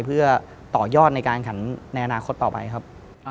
เพื่อต่อยอดในการขันในอนาคตต่อไปครับ